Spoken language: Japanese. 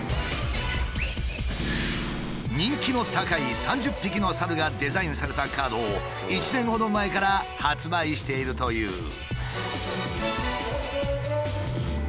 人気の高い３０匹の猿がデザインされたカードを１年ほど前から発売しているという。